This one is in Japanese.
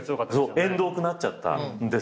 縁遠くなっちゃったんです。